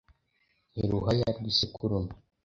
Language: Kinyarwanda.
ni ruhaya rw’isekurume